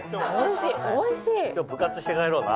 今日プ活して帰ろうな。